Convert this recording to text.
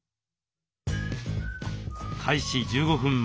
開始１５分前。